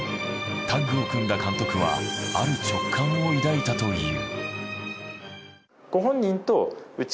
タッグを組んだ監督はある直感を抱いたという。